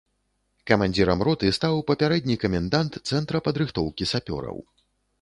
Камандзірам роты стаў папярэдні камендант цэнтра падрыхтоўкі сапёраў.